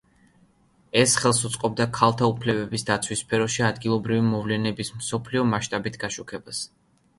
ეს ხელს უწყობს ქალთა უფლებების დაცვის სფეროში ადგილობრივი მოვლენების მსოფლიო მასშტაბით გაშუქებას.